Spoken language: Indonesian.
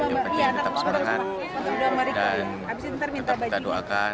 yang penting tetap semangat dan tetap minta doakan